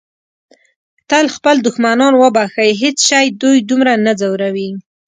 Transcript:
تل خپل دښمنان وبښئ. هیڅ شی دوی دومره نه ځوروي.